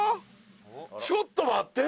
「ちょっと待って」